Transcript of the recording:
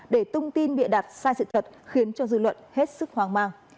để thông tin bị đạt sai sự thật khiến cho dư luận hết sức hoang mang